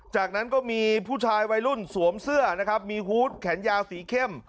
จากนั้นก็มีผู้ชายวัยรุ่นสวมเสื้อนะครับมีฮูตแขนยาวสีเข้ม